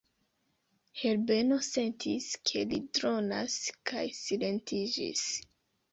Herbeno sentis, ke li dronas, kaj silentiĝis.